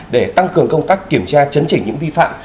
để tăng cường công tác kiểm tra chấn chỉnh những vi phạm